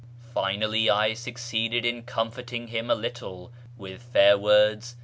I'inally, I succeeded in comforting him a little with fair words .